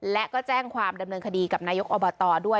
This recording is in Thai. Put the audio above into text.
และก็แจ้งความดำเนินคดีกับนายกอบตด้วย